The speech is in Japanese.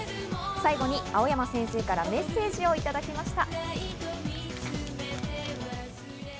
最後に青山先生からメッセージをもらいました。